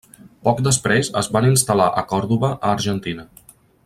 Poc després, es van instal·lar a Còrdova, a Argentina.